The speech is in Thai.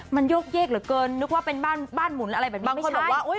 มันโยกเยกเหลือเกินนึกว่าเป็นบ้านหมุนอะไรแบบนี้บางคนบอกว่า